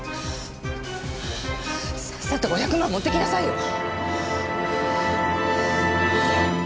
さっさと５００万持ってきなさいよ。